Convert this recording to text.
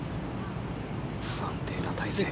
不安定な体勢から。